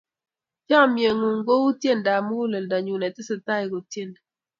Chomye ng'ung' kou tyendap muguleldanyu netesetai kotyeni.